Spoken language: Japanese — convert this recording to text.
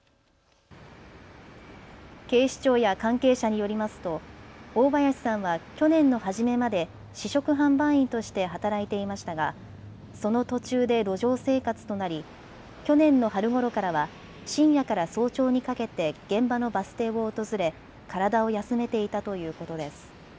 警視庁や関係者によりますと大林さんは去年の初めまで試食販売員として働いていましたがその途中で路上生活となり、去年の春ごろからは深夜から早朝にかけて現場のバス停を訪れ体を休めていたということです。